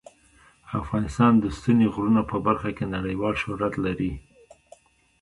افغانستان د ستوني غرونه په برخه کې نړیوال شهرت لري.